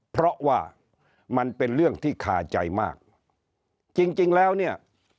เพราะว่ามันเป็นเรื่องที่คาใจมากจริงจริงแล้วเนี่ย